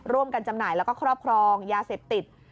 จำหน่ายแล้วก็ครอบครองยาเสพติด